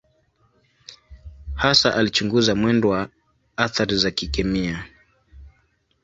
Hasa alichunguza mwendo wa athari za kikemia.